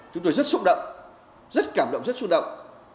chúng tôi rất xúc động rất cảm động rất xúc động